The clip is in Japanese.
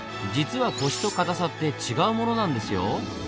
実はコシとかたさって違うものなんですよ。